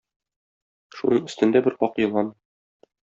Шуның өстендә бер Ак елан.